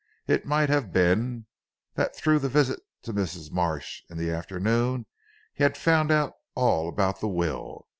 It might have been, that through the visit to Mrs. Marsh in the afternoon he had found out all about the will.